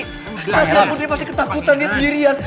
kasian putri pasti ketakutan dia sendirian